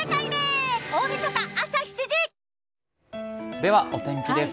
ではお天気です。